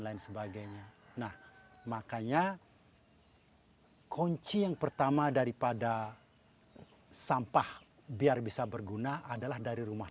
lain sebagainya nah makanya kunci yang pertama daripada sampah biar bisa berguna adalah dari rumah